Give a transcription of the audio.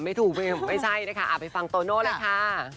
ไม่ถูกไม่ใช่นะคะไปฟังโตโน่เลยค่ะ